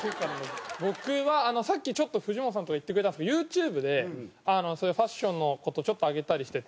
僕はさっきちょっと藤本さんとか言ってくれたんですけどユーチューブでそういうファッションの事ちょっと上げたりしてて。